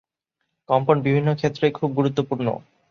কম্পন বিভিন্ন ক্ষেত্রেই খুব গুরুত্বপূর্ণ।